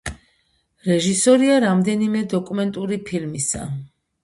რეჟისორია რამდენიმე დოკუმენტური ფილმისა.